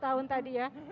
empat puluh tahun tadi ya